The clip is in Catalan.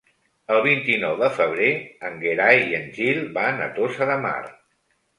El vint-i-nou de febrer en Gerai i en Gil van a Tossa de Mar.